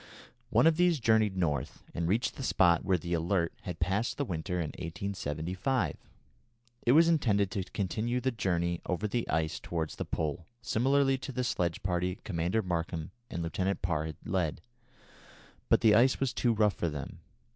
One of these journeyed North, and reached the spot where the Alert had passed the winter in 1875. It was intended to continue the journey over the ice towards the Pole similarly to the sledge party Commander Markham and Lieutenant Parr had led, but the ice was too rough for them.